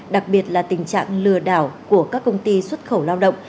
đặc biệt là tình trạng lừa đảo của các công ty xuất khẩu lao động